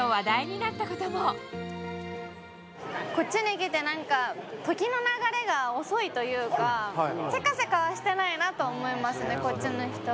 こっちに来てなんか、時の流れが遅いというか、せかせかはしてないなと思いますね、こっちの人は。